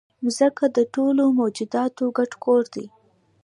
مځکه د ټولو موجوداتو ګډ کور دی.